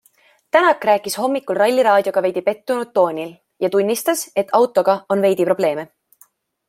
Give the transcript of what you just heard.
Tänak rääkis hommikul ralliraadioga veidi pettunud toonil ja tunnistas, et autoga on veidi probleeme.